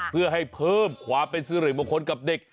เพื่อให้เพิ่มความเป็นสื่อเรื่องบางคนกับเด็ก